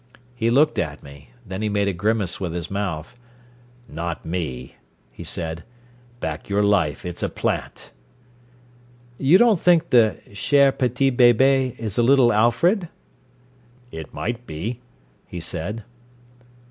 He looked at me. Then he made a grimace with his mouth. "Not me," he said. "Back your life it's a plant." "You don't think the cher petit bébé is a little Alfred?" "It might be," he said.